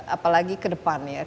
apalagi ke depan ya